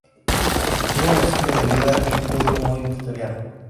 Tuvo un estilo de vida y un código muy victoriano.